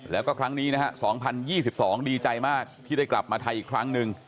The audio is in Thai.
แล้วก็ครั้งนี้นะฮะ๒๐๒๒ดีใจมากที่ได้กลับมาไทยอีกครั้งหนึ่ง